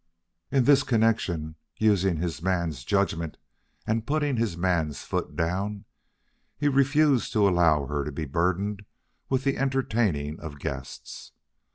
In this connection, using his man's judgment and putting his man's foot down, he refused to allow her to be burdened with the entertaining of guests.